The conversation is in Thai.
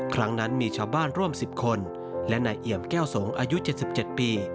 ครั้งนั้นมีชาวบ้านร่วม๑๐คนและนายเอี่ยมแก้วสงฆ์อายุ๗๗ปี